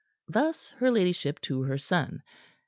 Thus her ladyship to her son.